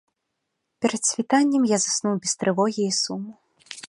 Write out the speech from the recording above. Перад світаннем я заснуў без трывогі і суму.